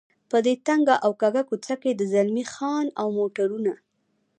په دې تنګه او کږه کوڅه کې د زلمی خان او موټرونه.